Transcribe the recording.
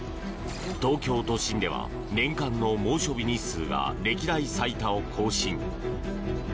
東京都心では年間の猛暑日日数が歴代最多を更新。